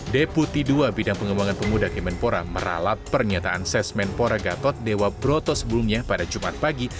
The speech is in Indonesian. deputi dua bidang pengembangan pemuda kemenpora meralat pernyataan sesmenpora gatot dewa broto sebelumnya pada jumat pagi